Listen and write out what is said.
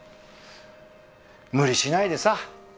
無理しないでさ